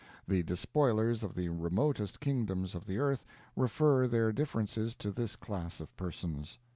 The despoilers of the remotest kingdoms of the earth refer their differences to this class of persons.